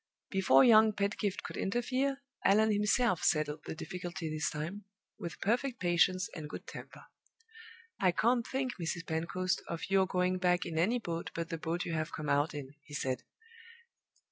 Before young Pedgift could interfere, Allan himself settled the difficulty this time, with perfect patience and good temper. "I can't think, Mrs. Pentecost, of your going back in any boat but the boat you have come out in," he said.